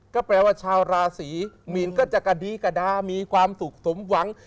ก็แปลว่าชาวราศีมีนก็จะกระดี้กระดามีความสุขสมหวัง